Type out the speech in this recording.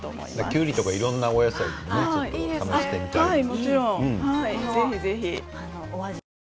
きゅうりとかいろんなお野菜で試したいですね。